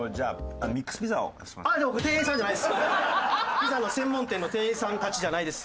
ピザの専門店の店員さんたちじゃないです。